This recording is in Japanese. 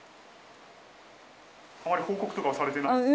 あまり報告とかはされていないんですか。